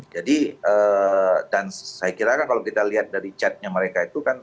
jadi dan saya kirakan kalau kita lihat dari chatnya mereka itu kan